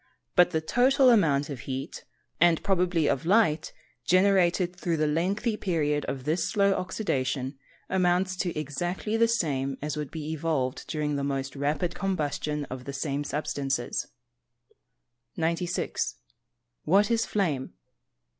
But the total amount of heat, and probably of light, generated through the lengthy period of this slow oxydation, amounts to exactly the same as would be evolved during the most rapid combustion of the same substances. 96. _What is flame?